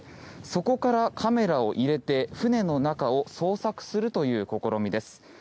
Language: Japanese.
そこからカメラを入れて船の中を捜索するという試みです。